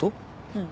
うん。